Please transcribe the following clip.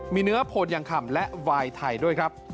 มีเนื้อผนอย่างข่ำและไวน์ไทยด้วยครับ